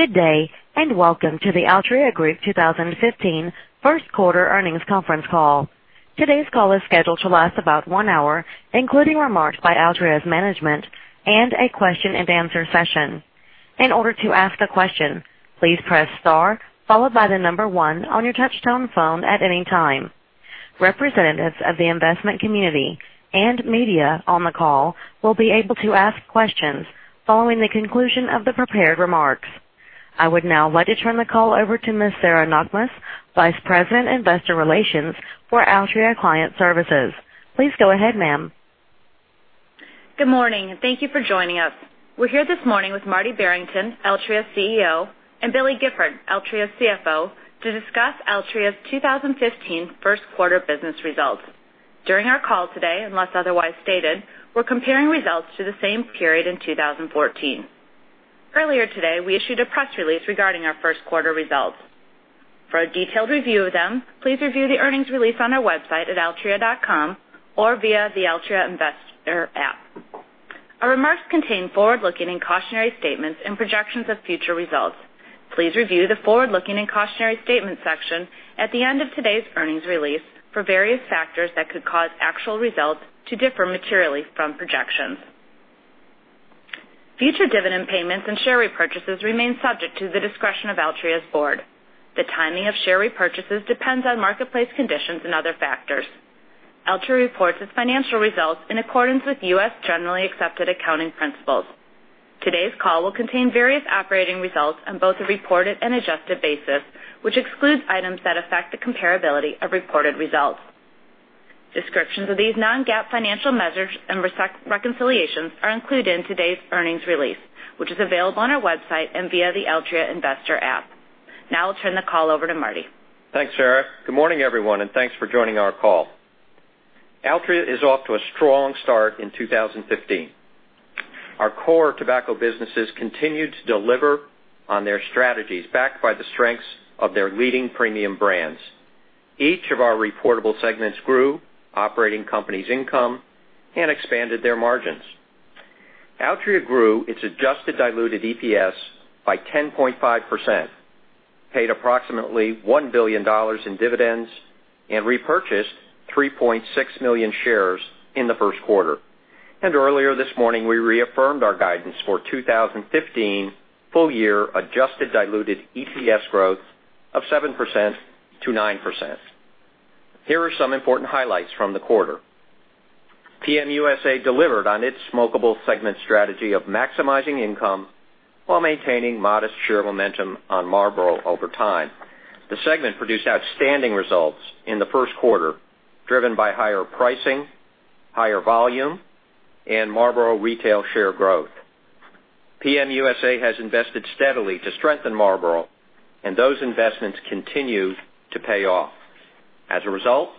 Good day, and welcome to the Altria Group 2015 first quarter earnings conference call. Today's call is scheduled to last about one hour, including remarks by Altria's management and a question and answer session. In order to ask a question, please press star followed by the number one on your touch-tone phone at any time. Representatives of the investment community and media on the call will be able to ask questions following the conclusion of the prepared remarks. I would now like to turn the call over to Ms. Sarah Knakmuhs, Vice President, Investor Relations for Altria Client Services. Please go ahead, ma'am. Good morning, thank you for joining us. We're here this morning with Martin Barrington, Altria's CEO, and William Gifford, Altria's CFO, to discuss Altria's 2015 first quarter business results. During our call today, unless otherwise stated, we're comparing results to the same period in 2014. Earlier today, we issued a press release regarding our first quarter results. For a detailed review of them, please review the earnings release on our website at altria.com or via the Altria investor app. Our remarks contain forward-looking and cautionary statements and projections of future results. Please review the forward-looking and cautionary statement section at the end of today's earnings release for various factors that could cause actual results to differ materially from projections. Future dividend payments and share repurchases remain subject to the discretion of Altria's board. The timing of share repurchases depends on marketplace conditions and other factors. Altria reports its financial results in accordance with U.S. Generally Accepted Accounting Principles. Today's call will contain various operating results on both a reported and adjusted basis, which excludes items that affect the comparability of reported results. Descriptions of these non-GAAP financial measures and reconciliations are included in today's earnings release, which is available on our website and via the Altria investor app. I'll turn the call over to Marty. Thanks, Sarah. Good morning, everyone, thanks for joining our call. Altria is off to a strong start in 2015. Our core tobacco businesses continue to deliver on their strategies, backed by the strengths of their leading premium brands. Each of our reportable segments grew operating companies income and expanded their margins. Altria grew its adjusted diluted EPS by 10.5%, paid approximately $1 billion in dividends, and repurchased 3.6 million shares in the first quarter. Earlier this morning, we reaffirmed our guidance for 2015 full year adjusted diluted EPS growth of 7%-9%. Here are some important highlights from the quarter. PM USA delivered on its smokeable segment strategy of maximizing income while maintaining modest share momentum on Marlboro over time. The segment produced outstanding results in the first quarter, driven by higher pricing, higher volume, and Marlboro retail share growth. PM USA has invested steadily to strengthen Marlboro. Those investments continue to pay off. As a result,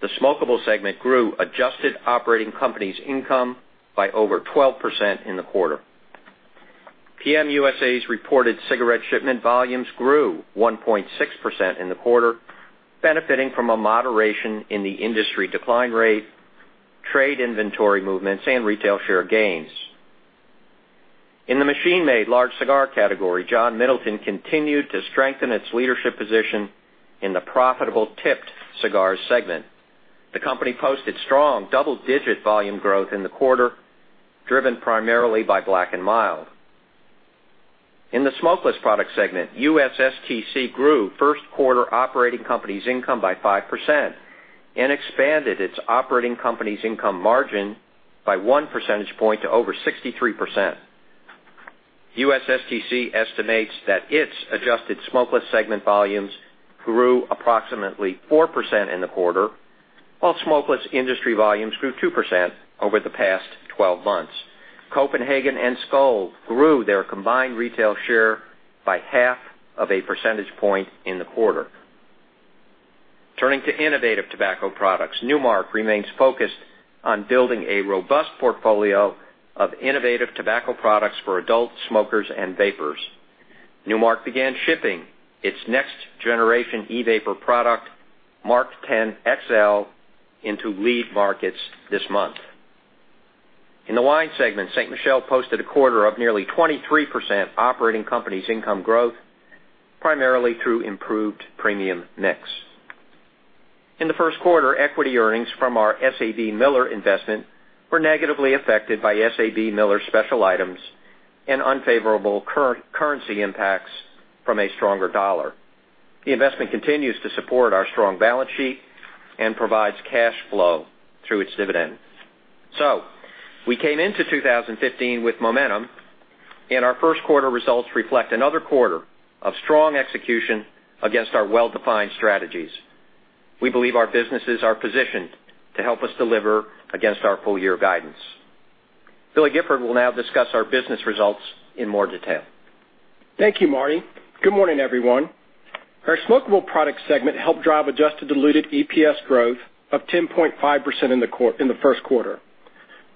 the smokeable segment grew adjusted operating companies income by over 12% in the quarter. PM USA's reported cigarette shipment volumes grew 1.6% in the quarter, benefiting from a moderation in the industry decline rate, trade inventory movements, and retail share gains. In the machine-made large cigar category, John Middleton continued to strengthen its leadership position in the profitable tipped cigars segment. The company posted strong double-digit volume growth in the quarter, driven primarily by Black & Mild. In the smokeless product segment, USSTC grew first quarter operating companies income by 5% and expanded its operating companies income margin by one percentage point to over 63%. USSTC estimates that its adjusted smokeless segment volumes grew approximately 4% in the quarter, while smokeless industry volumes grew 2% over the past 12 months. Copenhagen and Skoal grew their combined retail share by half of a percentage point in the quarter. Turning to innovative tobacco products, Nu Mark remains focused on building a robust portfolio of innovative tobacco products for adult smokers and vapers. Nu Mark began shipping its next generation e-vapor product, MarkTen XL, into lead markets this month. In the wine segment, Ste. Michelle posted a quarter of nearly 23% operating companies income growth, primarily through improved premium mix. In the first quarter, equity earnings from our SABMiller investment were negatively affected by SABMiller's special items and unfavorable currency impacts from a stronger dollar. The investment continues to support our strong balance sheet and provides cash flow through its dividend. We came into 2015 with momentum, and our first quarter results reflect another quarter of strong execution against our well-defined strategies. We believe our businesses are positioned to help us deliver against our full-year guidance. Billy Gifford will now discuss our business results in more detail. Thank you, Marty. Good morning, everyone. Our smokeable product segment helped drive adjusted diluted EPS growth of 10.5% in the first quarter.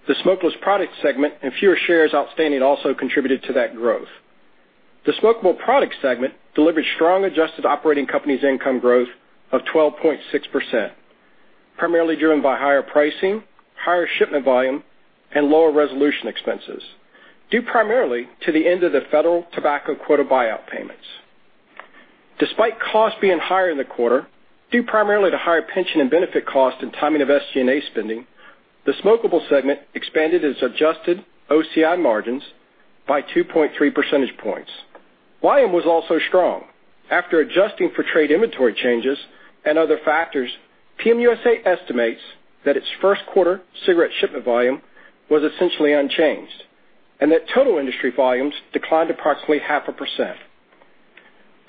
The smokeless product segment and fewer shares outstanding also contributed to that growth. The smokeable product segment delivered strong adjusted operating companies income growth of 12.6%, primarily driven by higher pricing, higher shipment volume, and lower resolution expenses, due primarily to the end of the federal tobacco quota buyout payments. Despite costs being higher in the quarter, due primarily to higher pension and benefit costs and timing of SG&A spending, the smokable segment expanded its adjusted OCI margins by 2.3 percentage points. Volume was also strong. After adjusting for trade inventory changes and other factors, PM USA estimates that its first quarter cigarette shipment volume was essentially unchanged, and that total industry volumes declined approximately half a percent.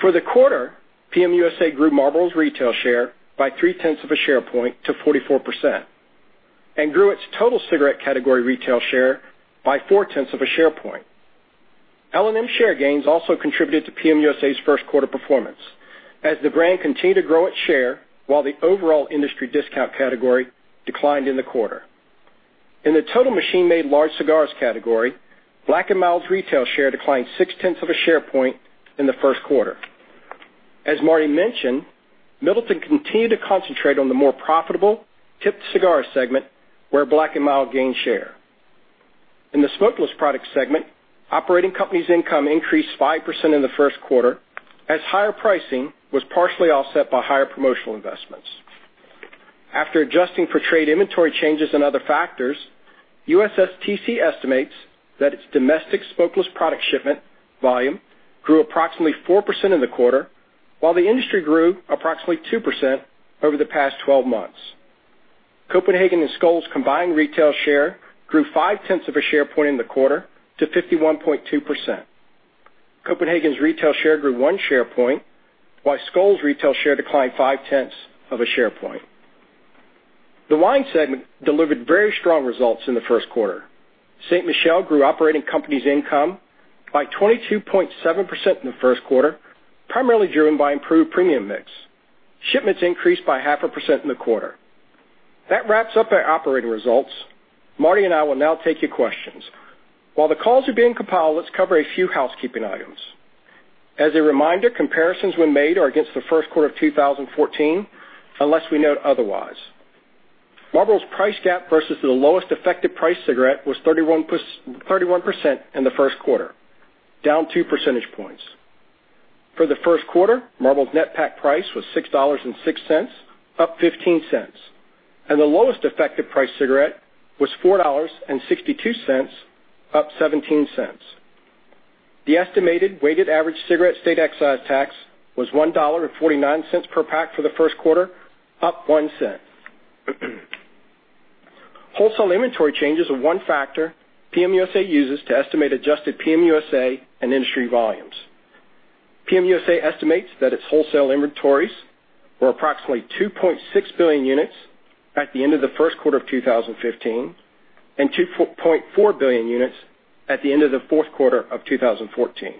For the quarter, PM USA grew Marlboro's retail share by three-tenths of a share point to 44% and grew its total cigarette category retail share by four-tenths of a share point. L&M share gains also contributed to PM USA's first quarter performance as the brand continued to grow its share while the overall industry discount category declined in the quarter. In the total machine-made large cigars category, Black & Mild's retail share declined six-tenths of a share point in the first quarter. As Marty mentioned, Middleton continued to concentrate on the more profitable tipped cigar segment where Black & Mild gained share. In the smokeless product segment, operating company's income increased 5% in the first quarter as higher pricing was partially offset by higher promotional investments. After adjusting for trade inventory changes and other factors, USSTC estimates that its domestic smokeless product shipment volume grew approximately 4% in the quarter, while the industry grew approximately 2% over the past 12 months. Copenhagen and Skoal's combined retail share grew five-tenths of a share point in the quarter to 51.2%. Copenhagen's retail share grew one share point, while Skoal's retail share declined five-tenths of a share point. The wine segment delivered very strong results in the first quarter. Ste. Michelle grew operating company's income by 22.7% in the first quarter, primarily driven by improved premium mix. Shipments increased by half a percent in the quarter. That wraps up our operating results. Marty and I will now take your questions. While the calls are being compiled, let's cover a few housekeeping items. As a reminder, comparisons when made are against the first quarter of 2014, unless we note otherwise. Marlboro's price gap versus the lowest effective price cigarette was 31% in the first quarter, down two percentage points. For the first quarter, Marlboro's net pack price was $6.06, up $0.15, and the lowest effective price cigarette was $4.62, up $0.17. The estimated weighted average cigarette state excise tax was $1.49 per pack for the first quarter, up $0.01. Wholesale inventory changes are one factor PM USA uses to estimate adjusted PM USA and industry volumes. PM USA estimates that its wholesale inventories were approximately 2.6 billion units at the end of the first quarter of 2015 and 2.4 billion units at the end of the fourth quarter of 2014.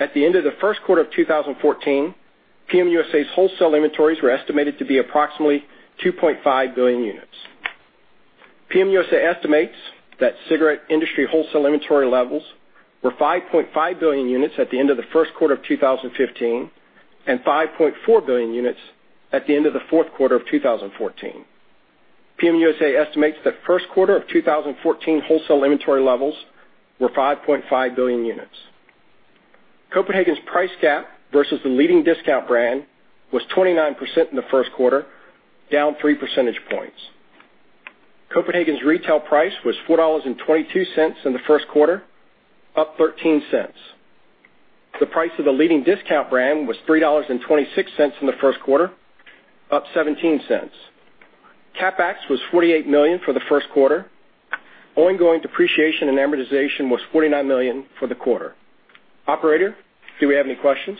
At the end of the first quarter of 2014, PM USA's wholesale inventories were estimated to be approximately 2.5 billion units. PM USA estimates that cigarette industry wholesale inventory levels were 5.5 billion units at the end of the first quarter of 2015 and 5.4 billion units at the end of the fourth quarter of 2014. PM USA estimates that first quarter of 2014 wholesale inventory levels were 5.5 billion units. Copenhagen's price gap versus the leading discount brand was 29% in the first quarter, down three percentage points. Copenhagen's retail price was $4.22 in the first quarter, up $0.13. The price of the leading discount brand was $3.26 in the first quarter, up $0.17. CapEx was $48 million for the first quarter. Ongoing depreciation and amortization was $49 million for the quarter. Operator, do we have any questions?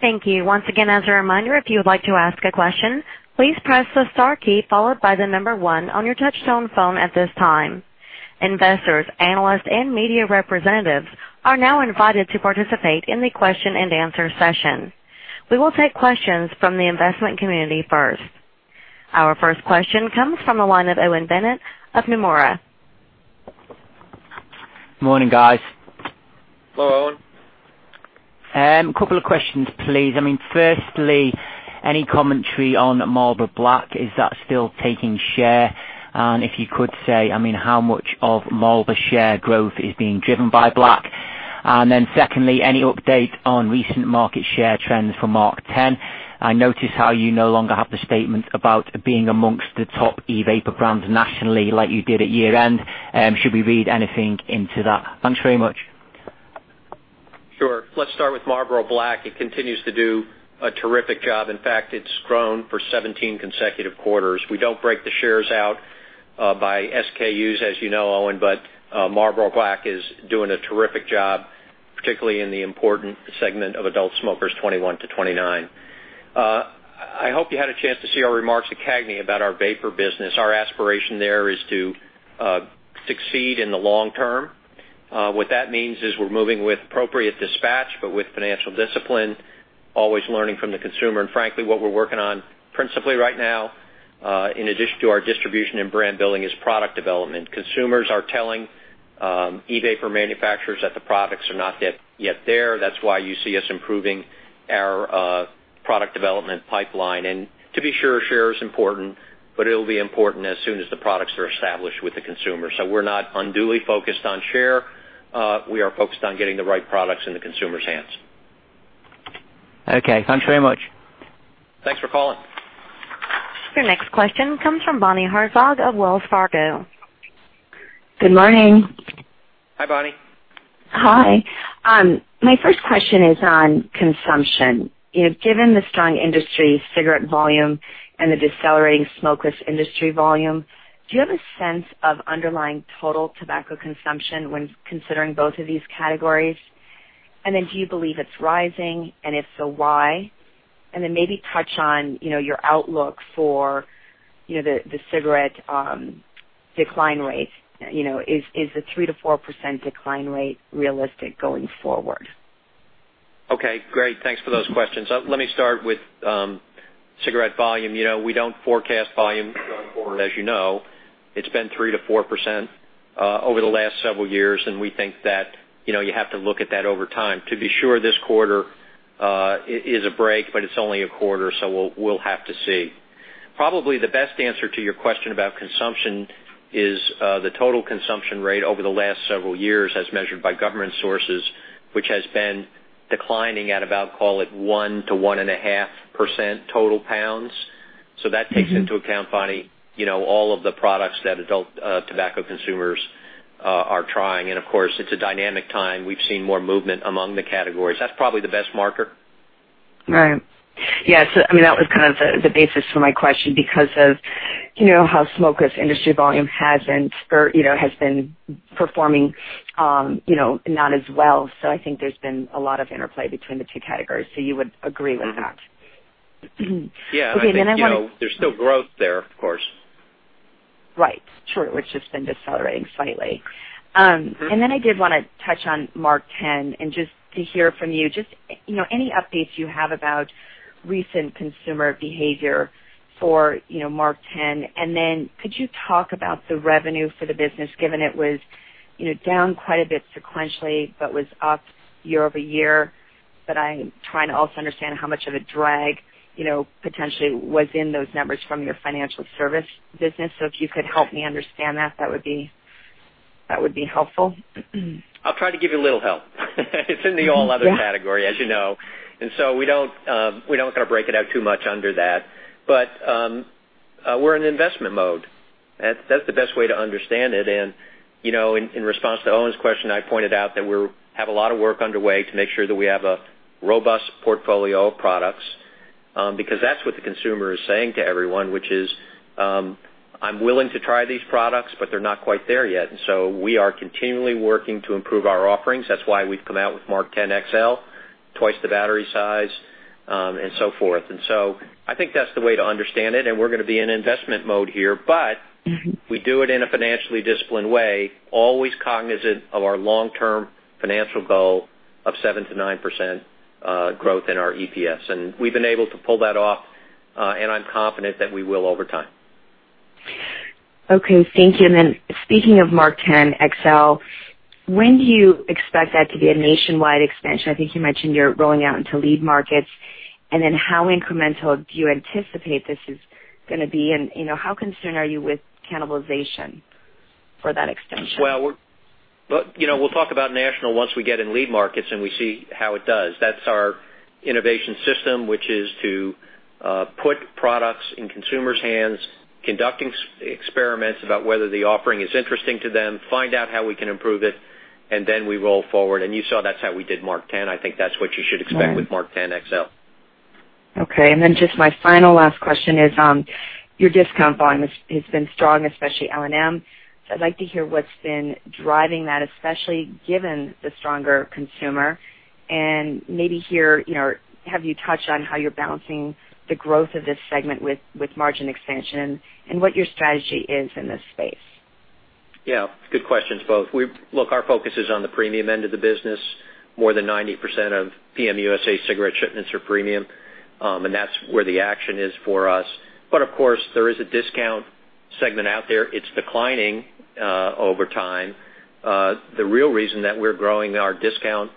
Thank you. Once again, as a reminder, if you would like to ask a question, please press the star key followed by the number one on your touch-tone phone at this time. Investors, analysts, and media representatives are now invited to participate in the question and answer session. We will take questions from the investment community first. Our first question comes from the line of Owen Bennett of Nomura. Morning, guys. Hello, Owen. A couple of questions, please. Firstly, any commentary on Marlboro Black. Is that still taking share? If you could say, how much of Marlboro share growth is being driven by Black? Secondly, any update on recent market share trends for MarkTen? I notice how you no longer have the statement about being amongst the top e-vapor brands nationally like you did at year-end. Should we read anything into that? Thanks very much. Sure. Let's start with Marlboro Black. It continues to do a terrific job. In fact, it's grown for 17 consecutive quarters. We don't break the shares out by SKUs, as you know, Owen, but Marlboro Black is doing a terrific job, particularly in the important segment of adult smokers 21 to 29. I hope you had a chance to see our remarks at CAGNY about our vapor business. Our aspiration there is to succeed in the long term. What that means is we're moving with appropriate dispatch, but with financial discipline, always learning from the consumer. Frankly, what we're working on principally right now In addition to our distribution and brand building is product development. Consumers are telling e-vapor manufacturers that the products are not yet there. That's why you see us improving our product development pipeline. To be sure, share is important, but it'll be important as soon as the products are established with the consumer. We're not unduly focused on share. We are focused on getting the right products in the consumer's hands. Okay. Thanks very much. Thanks for calling. Your next question comes from Bonnie Herzog of Wells Fargo. Good morning. Hi, Bonnie. Hi. My first question is on consumption. Given the strong industry cigarette volume and the decelerating smokeless industry volume, do you have a sense of underlying total tobacco consumption when considering both of these categories? Do you believe it's rising, and if so, why? Maybe touch on your outlook for the cigarette decline rate. Is the 3%-4% decline rate realistic going forward? Okay, great. Thanks for those questions. Let me start with cigarette volume. We don't forecast volume going forward, as you know. It's been 3%-4% over the last several years, and we think that you have to look at that over time. To be sure, this quarter is a break, but it's only a quarter, so we'll have to see. Probably the best answer to your question about consumption is the total consumption rate over the last several years, as measured by government sources, which has been declining at about, call it 1%-1.5% total pounds. That takes into account, Bonnie, all of the products that adult tobacco consumers are trying. Of course, it's a dynamic time. We've seen more movement among the categories. That's probably the best marker. Right. Yes, that was kind of the basis for my question, because of how smokeless industry volume has been performing not as well. I think there's been a lot of interplay between the two categories. You would agree with that? Yeah. Okay. I want to- There's still growth there, of course. Right. Sure. It's just been decelerating slightly. I did want to touch on MarkTen to hear from you just any updates you have about recent consumer behavior for MarkTen. Could you talk about the revenue for the business, given it was down quite a bit sequentially, but was up year-over-year. I'm trying to also understand how much of a drag potentially was in those numbers from your financial service business. If you could help me understand that would be helpful. I'll try to give you a little help. It's in the all other category, as you know. We don't break it out too much under that. We're in investment mode. That's the best way to understand it. In response to Owen's question, I pointed out that we have a lot of work underway to make sure that we have a robust portfolio of products. That's what the consumer is saying to everyone, which is, "I'm willing to try these products, but they're not quite there yet." We are continually working to improve our offerings. That's why we've come out with MarkTen XL, twice the battery size, and so forth. I think that's the way to understand it, and we're going to be in investment mode here. We do it in a financially disciplined way, always cognizant of our long-term financial goal of 7%-9% growth in our EPS. We've been able to pull that off, and I'm confident that we will over time. Okay, thank you. Speaking of MarkTen XL, when do you expect that to be a nationwide expansion? I think you mentioned you're rolling out into lead markets. How incremental do you anticipate this is going to be? How concerned are you with cannibalization for that extension? Well, we'll talk about national once we get in lead markets and we see how it does. That's our innovation system, which is to put products in consumers' hands, conducting experiments about whether the offering is interesting to them, find out how we can improve it, we roll forward. You saw that's how we did MarkTen. I think that's what you should expect with MarkTen XL. Okay. Just my final last question is, your discount volume has been strong, especially L&M. I'd like to hear what's been driving that, especially given the stronger consumer. Maybe hear, have you touched on how you're balancing the growth of this segment with margin expansion and what your strategy is in this space? Yeah. Good questions, both. Look, our focus is on the premium end of the business. More than 90% of PM USA cigarette shipments are premium. That's where the action is for us. Of course, there is a discount segment out there. It's declining over time. The real reason that we're growing our discount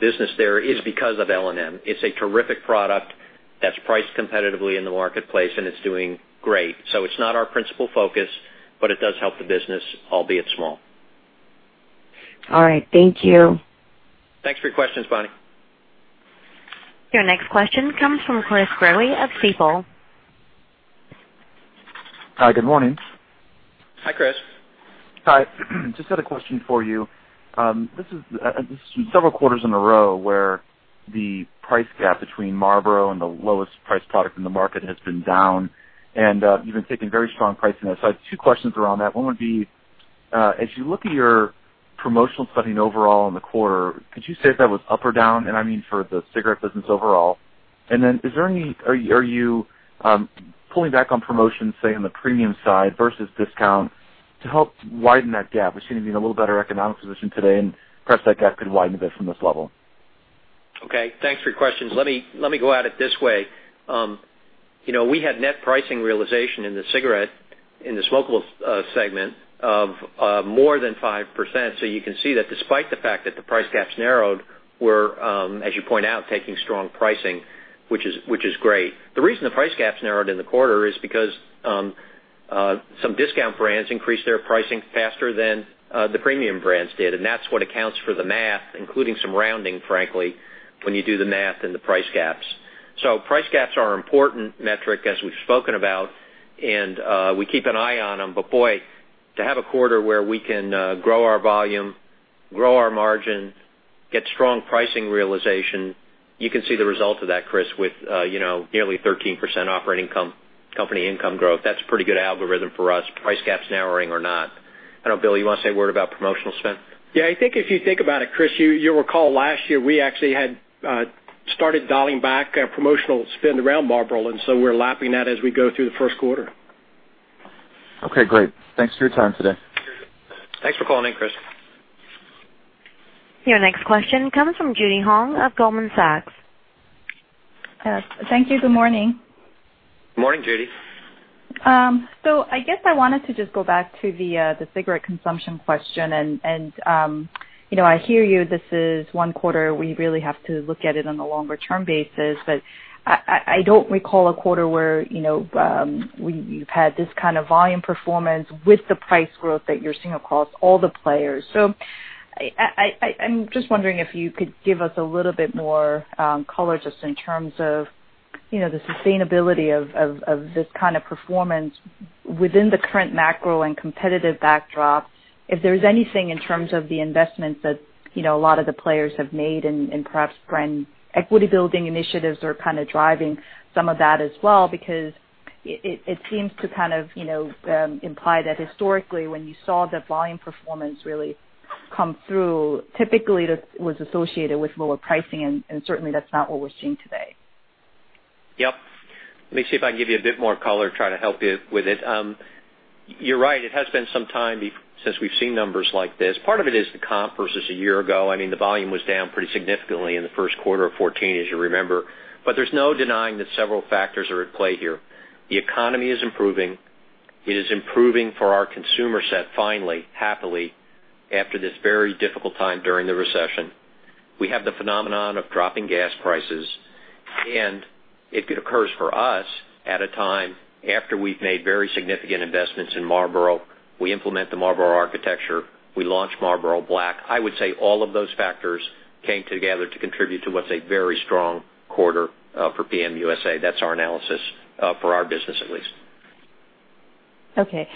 business there is because of L&M. It's a terrific product that's priced competitively in the marketplace, and it's doing great. It's not our principal focus, but it does help the business, albeit small. All right. Thank you. Thanks for your questions, Bonnie. Your next question comes from Chris Growe of Stifel. Hi, good morning. Hi, Chris. Hi. Just had a question for you. This is several quarters in a row where the price gap between Marlboro and the lowest priced product in the market has been down, and you've been taking very strong pricing. I have two questions around that. One would be, as you look at your promotional spending overall in the quarter, could you say if that was up or down, and I mean for the cigarette business overall? Are you pulling back on promotions, say, on the premium side versus discount to help widen that gap? We seem to be in a little better economic position today, and perhaps that gap could widen a bit from this level. Okay. Thanks for your questions. Let me go at it this way. We had net pricing realization in the cigarette, in the smokeless segment of more than 5%. You can see that despite the fact that the price gaps narrowed, we're, as you point out, taking strong pricing, which is great. The reason the price gaps narrowed in the quarter is because some discount brands increased their pricing faster than the premium brands did. That's what accounts for the math, including some rounding, frankly, when you do the math and the price gaps. Price gaps are an important metric as we've spoken about, and we keep an eye on them. Boy, to have a quarter where we can grow our volume, grow our margin, get strong pricing realization, you can see the result of that, Chris, with nearly 13% operating company income growth. That's a pretty good algorithm for us, price gaps narrowing or not. I know, Bill, you want to say a word about promotional spend? Yeah, I think if you think about it, Chris, you'll recall last year, we actually had started dialing back our promotional spend around Marlboro. We're lapping that as we go through the first quarter. Okay, great. Thanks for your time today. Thanks for calling, Chris. Your next question comes from Judy Hong of Goldman Sachs. Thank you. Good morning. Morning, Judy. I guess I wanted to just go back to the cigarette consumption question. I hear you. This is one quarter. We really have to look at it on a longer term basis. I don't recall a quarter where you've had this kind of volume performance with the price growth that you're seeing across all the players. I'm just wondering if you could give us a little bit more color just in terms of the sustainability of this kind of performance within the current macro and competitive backdrop. If there's anything in terms of the investments that a lot of the players have made and perhaps brand equity building initiatives are kind of driving some of that as well, because it seems to kind of imply that historically when you saw the volume performance really come through, typically that was associated with lower pricing. Certainly that's not what we're seeing today. Yep. Let me see if I can give you a bit more color, try to help you with it. You're right, it has been some time since we've seen numbers like this. Part of it is the comp versus a year ago. I mean, the volume was down pretty significantly in the first quarter of 2014, as you remember. There's no denying that several factors are at play here. The economy is improving. It is improving for our consumer set, finally, happily, after this very difficult time during the recession. We have the phenomenon of dropping gas prices, and it occurs for us at a time after we've made very significant investments in Marlboro. We implement the Marlboro architecture. We launch Marlboro Black. I would say all of those factors came together to contribute to what's a very strong quarter for PM USA. That's our analysis for our business at least. Okay.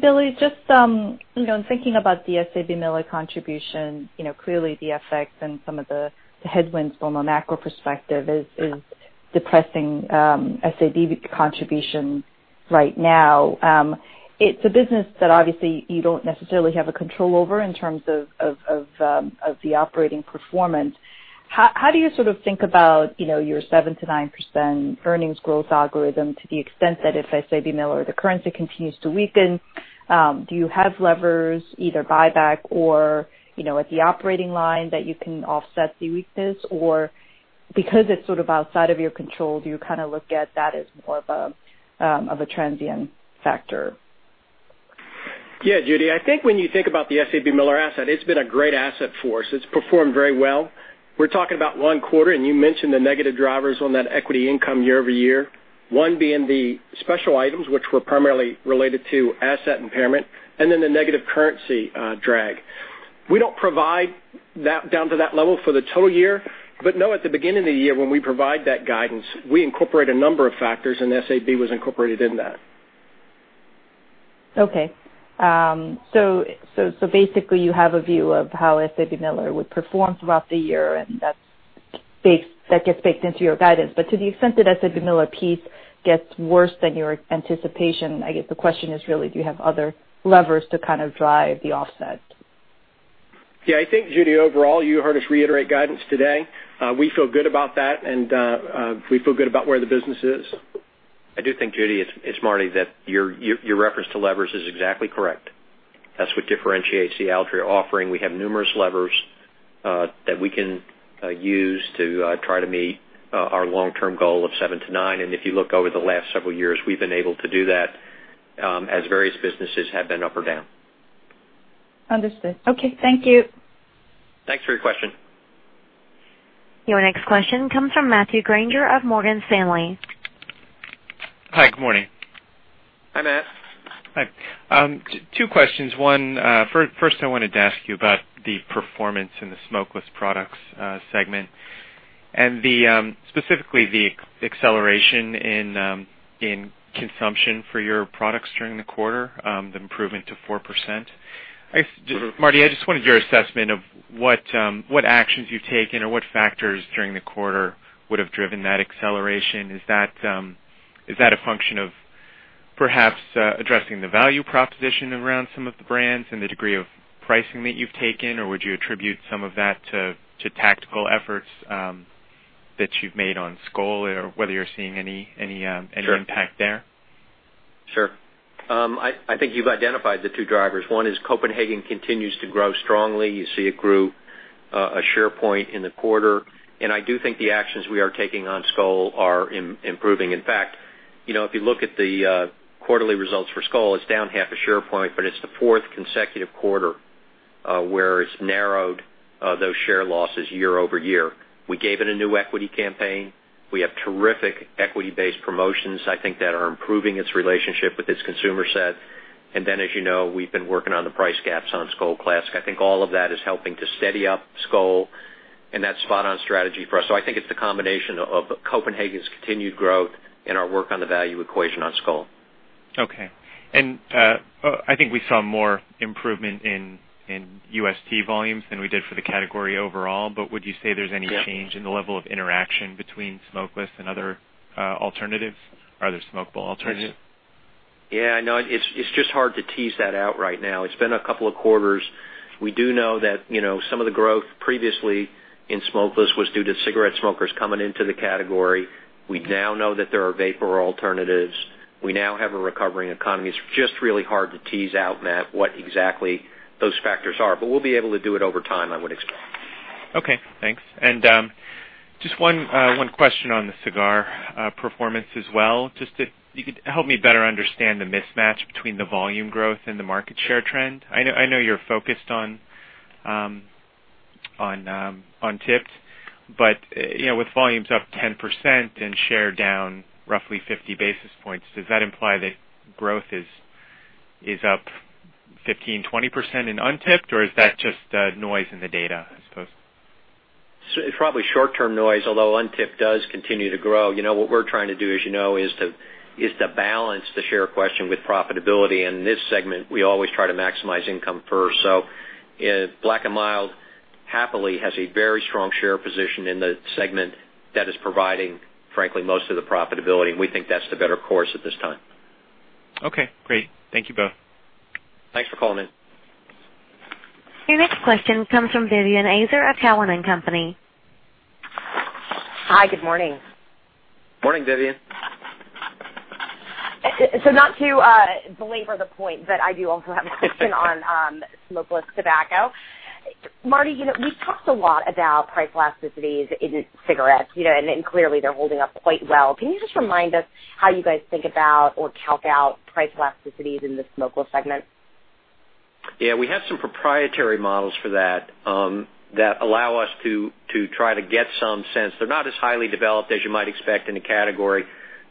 Billy, just in thinking about the SABMiller contribution, clearly the effects and some of the headwinds from a macro perspective is depressing SAB contribution right now. It's a business that obviously you don't necessarily have a control over in terms of the operating performance. How do you sort of think about your 7%-9% earnings growth algorithm to the extent that if SABMiller, the currency continues to weaken, do you have levers either buyback or at the operating line that you can offset the weakness? Or because it's sort of outside of your control, do you kind of look at that as more of a transient factor? Judy. I think when you think about the SABMiller asset, it's been a great asset for us. It's performed very well. We're talking about one quarter, and you mentioned the negative drivers on that equity income year-over-year, one being the special items, which were primarily related to asset impairment, and then the negative currency drag. We don't provide down to that level for the total year, but know at the beginning of the year when we provide that guidance, we incorporate a number of factors, and SAB was incorporated in that. Basically you have a view of how SABMiller would perform throughout the year, and that gets baked into your guidance. To the extent that SABMiller piece gets worse than your anticipation, I guess the question is really, do you have other levers to kind of drive the offset? Yeah, I think Judy, overall, you heard us reiterate guidance today. We feel good about that, and we feel good about where the business is. I do think, Judy, it's Marty, that your reference to levers is exactly correct. That's what differentiates the Altria offering. We have numerous levers that we can use to try to meet our long-term goal of 7%-9%. If you look over the last several years, we've been able to do that as various businesses have been up or down. Understood. Okay. Thank you. Thanks for your question. Your next question comes from Matthew Grainger of Morgan Stanley. Hi, good morning. Hi, Matt. Hi. Two questions. One, first I wanted to ask you about the performance in the smokeless products segment, and specifically the acceleration in consumption for your products during the quarter, the improvement to 4%. Marty, I just wanted your assessment of what actions you've taken or what factors during the quarter would have driven that acceleration. Is that a function of perhaps addressing the value proposition around some of the brands and the degree of pricing that you've taken, or would you attribute some of that to tactical efforts that you've made on Skoal or whether you're seeing any impact there? Sure. I think you've identified the two drivers. One is Copenhagen continues to grow strongly. You see it grew a share point in the quarter, and I do think the actions we are taking on Skoal are improving. In fact, if you look at the quarterly results for Skoal, it's down half a share point, but it's the fourth consecutive quarter where it's narrowed those share losses year-over-year. We gave it a new equity campaign. We have terrific equity-based promotions, I think, that are improving its relationship with its consumer set. Then, as you know, we've been working on the price gaps on Skoal classic. I think all of that is helping to steady up Skoal, and that's spot on strategy for us. I think it's the combination of Copenhagen's continued growth and our work on the value equation on Skoal. Okay. I think we saw more improvement in UST volumes than we did for the category overall. Would you say there's any change in the level of interaction between smokeless and other alternatives or other smokeable alternatives? Yeah, no, it's just hard to tease that out right now. It's been a couple of quarters. We do know that some of the growth previously in smokeless was due to cigarette smokers coming into the category. We now know that there are vapor alternatives. We now have a recovering economy. It's just really hard to tease out, Matt, what exactly those factors are. We'll be able to do it over time, I would expect. Okay, thanks. Just one question on the cigar performance as well, just if you could help me better understand the mismatch between the volume growth and the market share trend. I know you're focused on tipped, but with volumes up 10% and share down roughly 50 basis points, does that imply that growth is up 15%, 20% in untipped, or is that just noise in the data, I suppose? It's probably short term noise, although untipped does continue to grow. What we're trying to do is to balance the share question with profitability. In this segment, we always try to maximize income first. Black & Mild happily has a very strong share position in the segment that is providing, frankly, most of the profitability, and we think that's the better course at this time. Okay, great. Thank you both. Thanks for calling in. Your next question comes from Vivien Azer at Cowen and Company. Hi. Good morning. Morning, Vivien. Not to belabor the point, but I do also have a question on smokeless tobacco. Marty, we've talked a lot about price elasticities in cigarettes, and clearly they're holding up quite well. Can you just remind us how you guys think about or calc out price elasticities in the smokeless segment? Yeah, we have some proprietary models for that allow us to try to get some sense. They're not as highly developed as you might expect in a category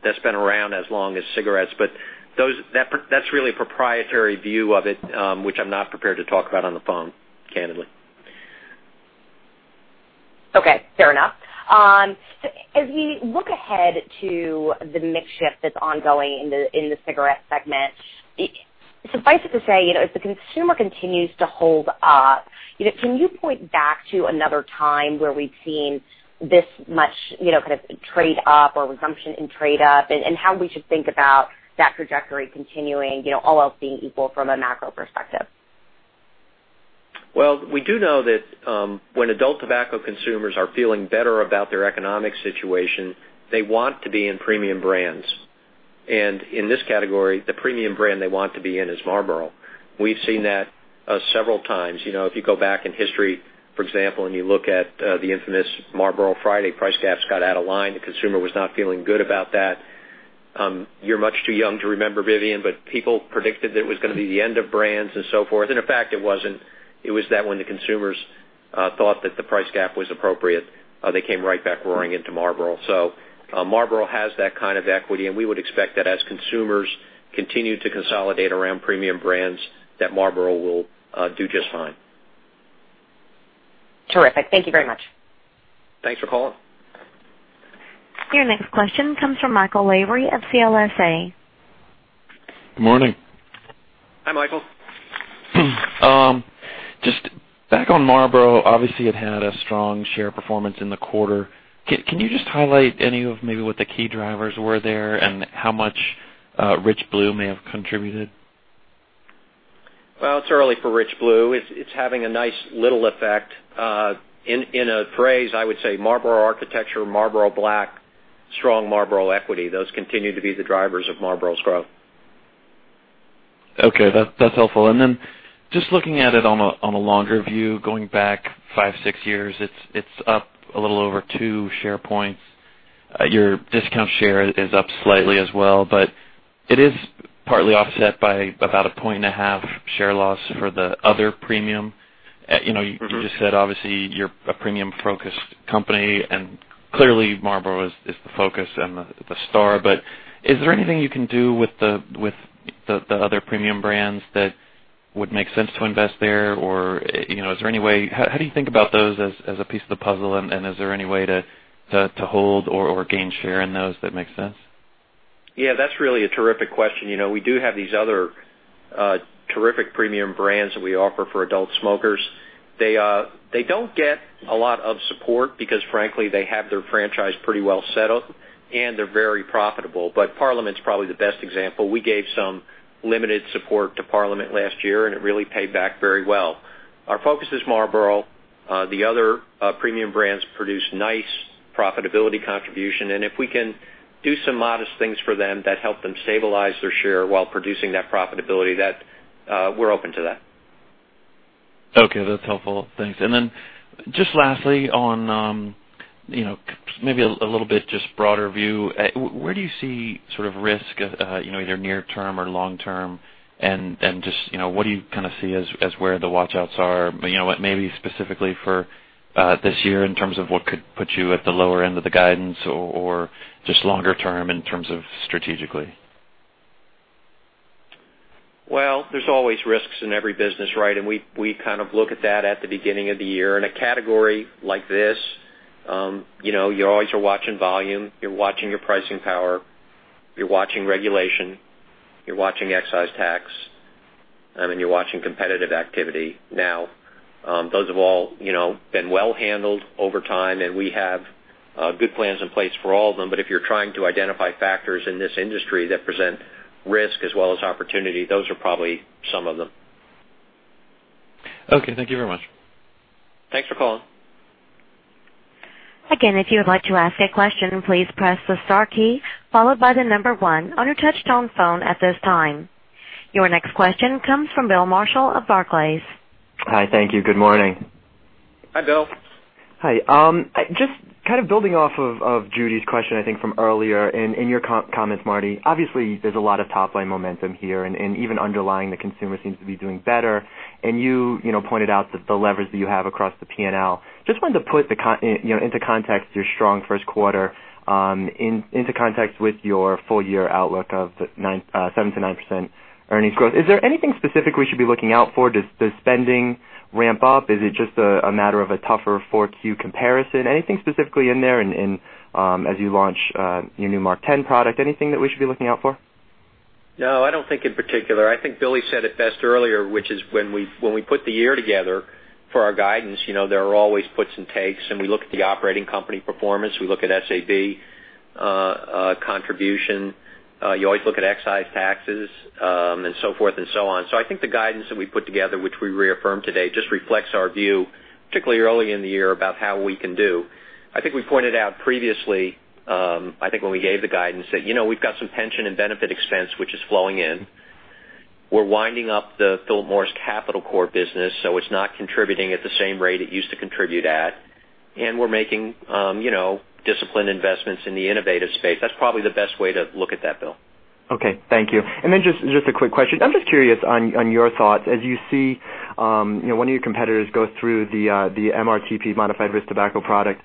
that's been around as long as cigarettes, but that's really a proprietary view of it, which I'm not prepared to talk about on the phone, candidly. Okay, fair enough. As we look ahead to the mix shift that's ongoing in the cigarette segment, suffice it to say, if the consumer continues to hold up, can you point back to another time where we've seen this much kind of trade up or resumption in trade up, and how we should think about that trajectory continuing, all else being equal from a macro perspective? Well, we do know that when adult tobacco consumers are feeling better about their economic situation, they want to be in premium brands. In this category, the premium brand they want to be in is Marlboro. We've seen that several times. If you go back in history, for example, and you look at the infamous Marlboro Friday price gaps got out of line, the consumer was not feeling good about that. You're much too young to remember, Vivien, but people predicted that it was going to be the end of brands and so forth, and in fact, it wasn't. It was that when the consumers thought that the price gap was appropriate, they came right back roaring into Marlboro. Marlboro has that kind of equity, and we would expect that as consumers continue to consolidate around premium brands, that Marlboro will do just fine. Terrific. Thank you very much. Thanks for calling. Your next question comes from Michael Lavery of CLSA. Good morning. Hi, Michael. Just back on Marlboro, obviously it had a strong share performance in the quarter. Can you just highlight any of maybe what the key drivers were there and how much Rich Blue may have contributed? Well, it's early for Rich Blue. It's having a nice little effect. In a phrase, I would say Marlboro architecture, Marlboro Black, strong Marlboro equity. Those continue to be the drivers of Marlboro's growth. Okay. That's helpful. Then just looking at it on a longer view, going back five, six years, it's up a little over two share points. Your discount share is up slightly as well, but it is partly offset by about a point and a half share loss for the other premium. You just said, obviously, you're a premium focused company and clearly Marlboro is the focus and the star. Is there anything you can do with the other premium brands that would make sense to invest there? How do you think about those as a piece of the puzzle, and is there any way to hold or gain share in those that make sense? Yeah, that's really a terrific question. We do have these other terrific premium brands that we offer for adult smokers. They don't get a lot of support because, frankly, they have their franchise pretty well set up and they're very profitable. Parliament's probably the best example. We gave some Limited support to Parliament last year, and it really paid back very well. Our focus is Marlboro. The other premium brands produce nice profitability contribution, and if we can do some modest things for them that help them stabilize their share while producing that profitability, we're open to that. Okay, that's helpful. Thanks. Then just lastly on maybe a little bit just broader view, where do you see risk, either near term or long term? Then just what do you kind of see as where the watch outs are, maybe specifically for this year in terms of what could put you at the lower end of the guidance or just longer term in terms of strategically? Well, there's always risks in every business, right? We kind of look at that at the beginning of the year. In a category like this, you always are watching volume, you're watching your pricing power, you're watching regulation, you're watching excise tax, and then you're watching competitive activity. Those have all been well handled over time, and we have good plans in place for all of them. If you're trying to identify factors in this industry that present risk as well as opportunity, those are probably some of them. Okay. Thank you very much. Thanks for calling. Again, if you would like to ask a question, please press the star key followed by the number 1 on your touchtone phone at this time. Your next question comes from Bill Marshall of Barclays. Hi. Thank you. Good morning. Hi, Bill. Hi. Just kind of building off of Judy's question, I think from earlier, and in your comments, Marty. Obviously, there's a lot of top-line momentum here, and even underlying the consumer seems to be doing better. You pointed out the leverage that you have across the P&L. Just wanted to put into context your strong first quarter into context with your full year outlook of 7%-9% earnings growth. Is there anything specific we should be looking out for? Does spending ramp up? Is it just a matter of a tougher 4Q comparison? Anything specifically in there as you launch your new MarkTen product? Anything that we should be looking out for? No, I don't think in particular. I think Billy said it best earlier, which is when we put the year together for our guidance, there are always puts and takes, and we look at the operating company performance, we look at SAB contribution. You always look at excise taxes, and so forth and so on. I think the guidance that we put together, which we reaffirm today, just reflects our view, particularly early in the year, about how we can do. I think we pointed out previously, when we gave the guidance, that we've got some pension and benefit expense which is flowing in. We're winding up the Philip Morris Capital Corporation business, so it's not contributing at the same rate it used to contribute at. We're making disciplined investments in the innovative space. That's probably the best way to look at that, Bill. Okay. Thank you. Then just a quick question. I'm just curious on your thoughts. As you see one of your competitors go through the MRTP, Modified Risk Tobacco Product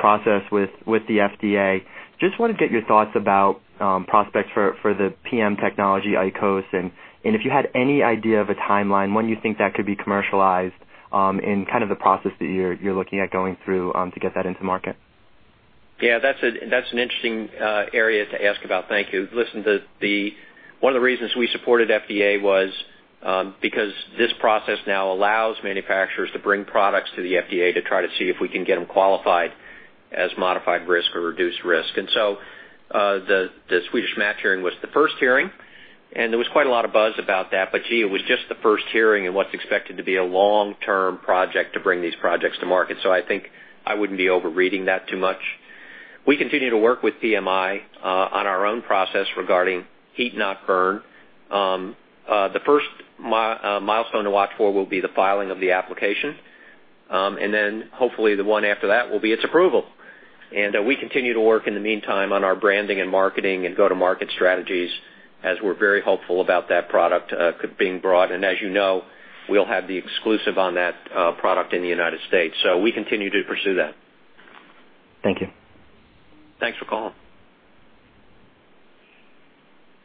process with the FDA, just want to get your thoughts about prospects for the PM technology IQOS, and if you had any idea of a timeline, when you think that could be commercialized, and kind of the process that you're looking at going through, to get that into market. Yeah, that's an interesting area to ask about. Thank you. Listen, one of the reasons we supported FDA was because this process now allows manufacturers to bring products to the FDA to try to see if we can get them qualified as modified risk or reduced risk. The Swedish Match hearing was the first hearing, and there was quite a lot of buzz about that. Gee, it was just the first hearing in what's expected to be a long-term project to bring these projects to market. I think I wouldn't be overreading that too much. We continue to work with PMI on our own process regarding heat-not-burn. The first milestone to watch for will be the filing of the application, then hopefully the one after that will be its approval. We continue to work in the meantime on our branding and marketing and go-to-market strategies as we're very hopeful about that product being brought. As you know, we'll have the exclusive on that product in the United States. We continue to pursue that. Thank you. Thanks for calling.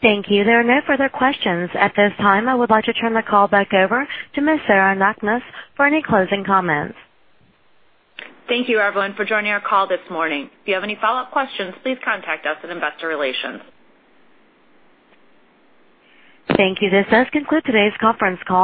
Thank you. There are no further questions at this time. I would like to turn the call back over to Ms. Sarah Knakmuhs for any closing comments. Thank you, everyone, for joining our call this morning. If you have any follow-up questions, please contact us at Investor Relations. Thank you. This does conclude today's conference call.